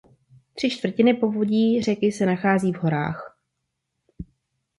Tři čtvrtiny povodí řeky se nacházejí v horách.